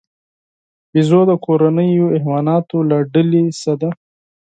بیزو د کورنیو حیواناتو له ډلې نه دی.